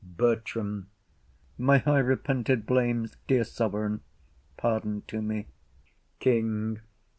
BERTRAM. My high repented blames Dear sovereign, pardon to me. KING.